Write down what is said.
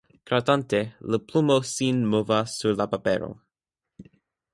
Gratante la plumo sin movas sur la papero.